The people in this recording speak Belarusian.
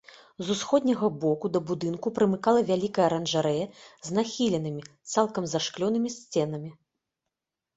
З усходняга боку да будынку прымыкала вялікая аранжарэя з нахіленымі, цалкам зашклёнымі сценамі.